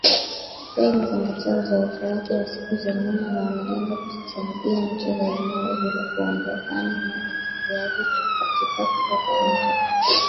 Pia, imezingatia uzoefu wake wa siku za nyuma na unalenga kuzisaidia nchi za eneo hilo, kuondokana na uingiliaji kati kutoka nje